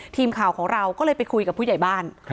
ทีมข่าวของเราก็เลยไปคุยกับผู้ใหญ่บ้าน